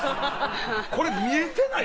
「これ見えてない？